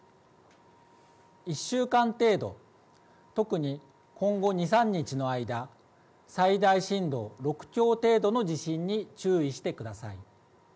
１週間程度特に今後２、３日の間最大震度６強程度の地震に注意してください。